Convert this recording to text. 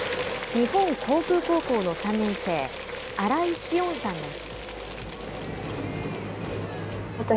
日本航空高校の３年生荒井しおんさんです。